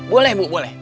boleh ibu boleh